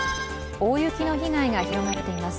大雪の被害が広がっています。